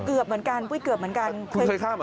เกือบเหมือนกันอุ๊ยเกือบเหมือนกัน